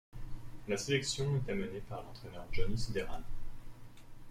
La sélection est amené par l'entraîneur Johnny Söderdahl.